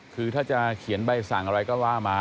คือถ้าจะเขียนใบสั่งอะไรก็ว่ามา